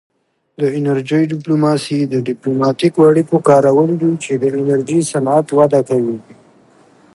د انرژۍ ډیپلوماسي د ډیپلوماتیکو اړیکو کارول دي چې د انرژي صنعت وده کوي